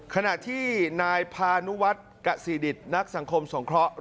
ขณะที่นายพานุวัฒน์กษีดิตนักสังคมสงเคราะห์